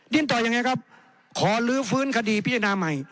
ต่อยังไงครับขอลื้อฟื้นคดีพิจารณาใหม่